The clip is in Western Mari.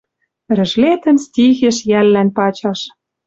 Рӹжлетӹм стихеш йӓллӓн пачаш